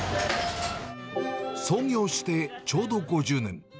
創業してちょうど５０年。